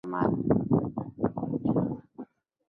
mama mjamzito anatakiwa kupima virusi vya ukimwi mara kwa mara